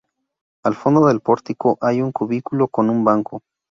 Al fondo del pórtico hay un cubículo con un banco.